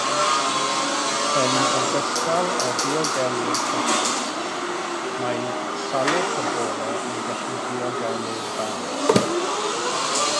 Yn ogystal â diogelu'r ffetws, mae salwch y bore yn gallu diogelu'r fam.